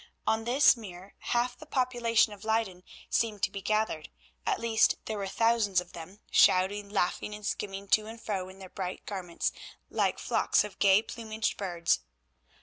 On this mere half the population of Leyden seemed to be gathered; at least there were thousands of them, shouting, laughing, and skimming to and fro in their bright garments like flocks of gay plumaged birds.